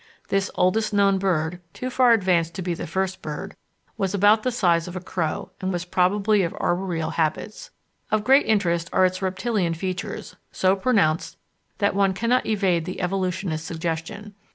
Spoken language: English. This oldest known bird too far advanced to be the first bird was about the size of a crow and was probably of arboreal habits. Of great interest are its reptilian features, so pronounced that one cannot evade the evolutionist suggestion.